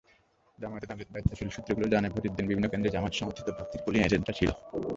জামায়াতের দায়িত্বশীল সূত্রগুলো জানায়, ভোটের দিন বিভিন্ন কেন্দ্রে জামায়াত-সমর্থিত প্রার্থীর পোলিং এজেন্টরা ছিলেন।